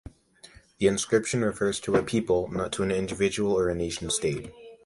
The inscription refers to a people, not to an individual or a nation-state.